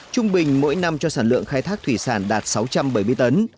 trung bình mỗi năm cho sản lượng khai thác thủy sản đạt sáu trăm bảy mươi tấn